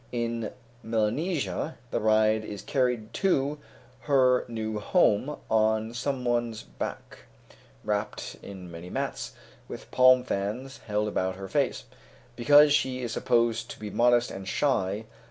In Melanesia, the bride is carried to her new home on some one's back, wrapped in many mats, with palm fans held about her face, because she is supposed to be modest and shy.